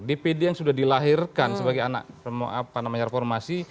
dpd yang sudah dilahirkan sebagai anak reformasi